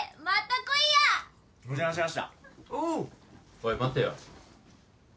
おい待てよ。